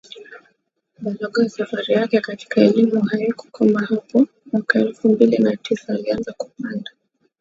BangaloreSafari yake katika elimu haikukoma hapo mwaka elfu mbili na tisa alianza kupanda